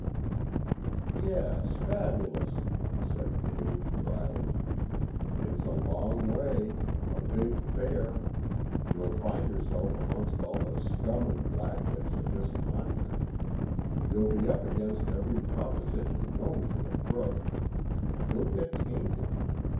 "Yes, fabulous," said Dave dryly. "It's a long way. A big fare. You'll find yourself amongst all the scum and blacklegs of this continent. You'll be up against every proposition known to the crook. You'll get tainted.